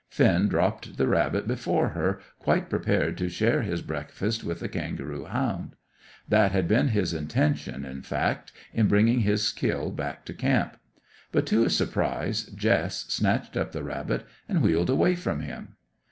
Finn dropped the rabbit before her, quite prepared to share his breakfast with the kangaroo hound. That had been his intention, in fact, in bringing his kill back to camp. But to his surprise Jess snatched up the rabbit and wheeled away from him.